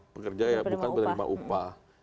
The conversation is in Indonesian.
pekerja ya bukan penerima upah